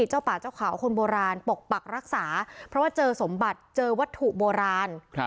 เจ้าป่าเจ้าเขาคนโบราณปกปักรักษาเพราะว่าเจอสมบัติเจอวัตถุโบราณ